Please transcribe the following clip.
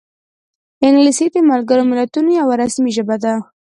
انګلیسي د ملګرو ملتونو یوه رسمي ژبه ده